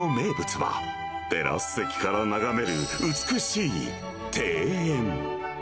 レストランの名物はテラス席から眺める美しい庭園。